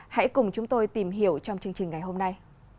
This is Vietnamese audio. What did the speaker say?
hãy cùng chúng tôi tìm hiểu trong chương trình ngày hôm nay